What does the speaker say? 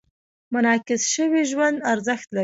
منعکس شوي ژوند ارزښت لري.